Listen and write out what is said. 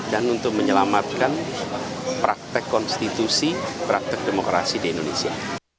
dan untuk menyelamatkan praktek konstitusi praktek demokrasi di indonesia